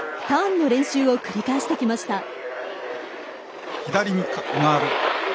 ターンの練習を繰り返してきました。